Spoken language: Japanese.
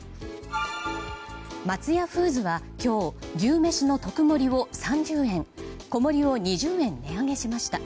松屋フーズは今日牛めしの特盛を３０円小盛を２０円値上げしました。